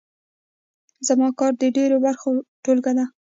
زما کار د ډېرو برخو ټولګه شوه.